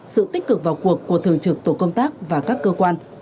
sự tích cực vào cuộc của thường trực tổ công tác và các cơ quan